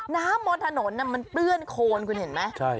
น้ำมดถนนมันเปื้อนโคลนคุณเห็นไหม